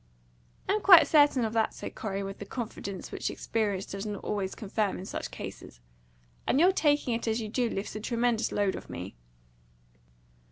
"I am quite certain of that," said Corey, with that confidence which experience does not always confirm in such cases. "And your taking it as you do lifts a tremendous load off me."